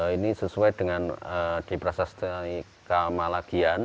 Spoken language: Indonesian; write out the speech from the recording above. ini sesuai dengan di prasasti kamalagian